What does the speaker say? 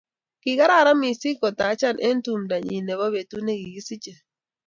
Kikararan mising kotacha eng tumdo nyi nebo betut nyi nekikisiche